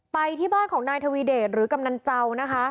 ไปที่บ้านของนายทวีเดชหรือกำนันเจ้านะคะ